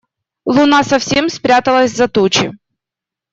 Луна совсем спряталась за тучи.